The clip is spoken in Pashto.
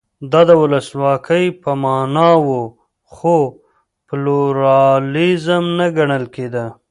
دا د ولسواکۍ په معنا و خو پلورالېزم نه ګڼل کېده.